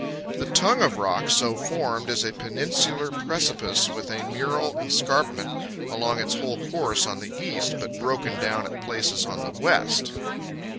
The tongue of rock so formed is a peninsular precipice with a mural escarpment along its whole course on the east, but broken down at places on the west.